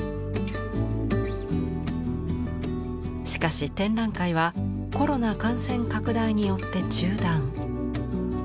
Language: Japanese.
しかし展覧会はコロナ感染拡大によって中断。